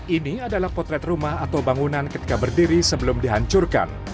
ini adalah potret rumah atau bangunan ketika berdiri sebelum dihancurkan